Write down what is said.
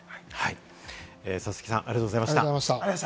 佐々木さん、ありがとうございました。